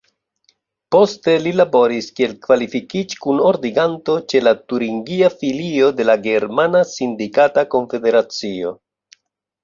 Poste li laboris kiel kvalifikiĝ-kunordiganto ĉe la turingia filio de la Germana sindikata konfederacio.